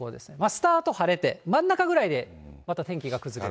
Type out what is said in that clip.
スタート晴れて、真ん中ぐらいでまた天気が崩れる。